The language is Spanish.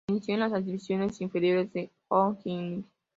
Se inició en las divisiones inferiores de O'Higgins.